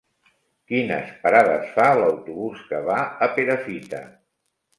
Quines parades fa l'autobús que va a Perafita?